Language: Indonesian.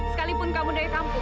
sekalipun kamu dari kampung